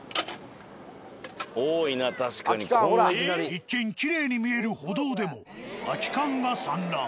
一見きれいに見える歩道でも空き缶が散乱。